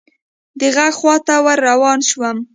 د ږغ خواته ور روان شوم .